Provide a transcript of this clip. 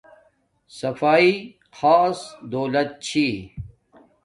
صفایݵ خاص دولت چھی